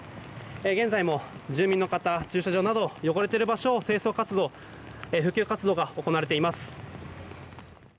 現在も住民の方駐車場など汚れている場所を清掃活動復旧活動が行われています。